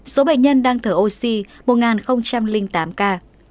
số bệnh nhân đang thở oxy một tám ca